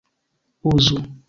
uzu